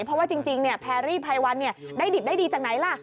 เพราะว่าจริงแพรรี่ไพรวันได้ดิบได้ดีจากไหนล่ะ